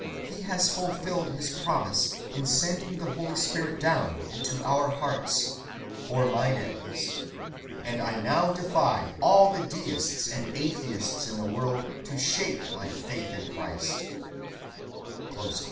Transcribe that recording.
He has fulfilled his promise in sending the Holy Spirit down into our hearts, or mine at least, and I now defy all the Deists and Atheists in the world to shake my faith in Christ."